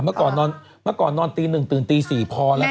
พอแล้วค่ะเมื่อก่อนนอนตี๑ตื่นตี๔พอแล้วค่ะ